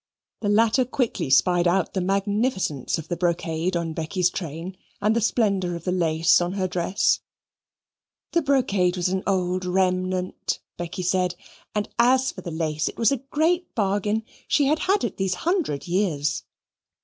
The latter quickly spied out the magnificence of the brocade of Becky's train, and the splendour of the lace on her dress. The brocade was an old remnant, Becky said; and as for the lace, it was a great bargain. She had had it these hundred years.